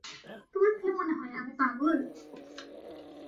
তোমার কি মনে হয় আমি পাগল?